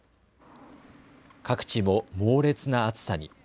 各地も猛烈な暑さに。